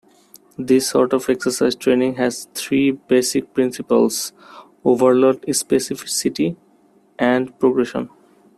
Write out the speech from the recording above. This sort of exercise training has three basic principles: overload, specificity, and progression.